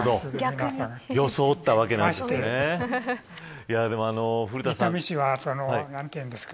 装ったわけなんですね。